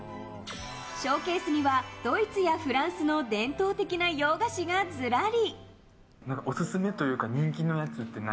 ショーケースにはドイツやフランスの伝統的な洋菓子がずらり。